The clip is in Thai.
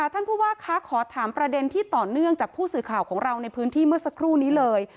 ท่านผู้ว่าคะขอถามประเด็นที่ต่อเนื่องจากผู้สื่อข่าวของเราในพื้นที่เมื่อสักครู่นี้เลย